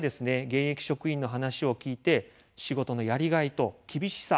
現役職員の話を聞いて仕事のやりがいと厳しさ